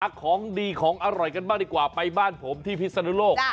ของดีของอร่อยกันบ้างดีกว่าไปบ้านผมที่พิศนุโลก